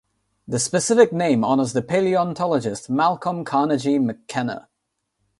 The specific name honours the paleontologist Malcolm Carnegie McKenna.